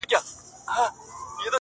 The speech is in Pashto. ما خو پخوا مـسـته شــاعـــري كول,